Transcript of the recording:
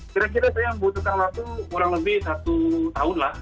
kira kira saya membutuhkan waktu kurang lebih satu tahun lah